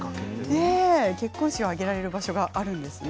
結婚式を挙げられる場所があるんですね。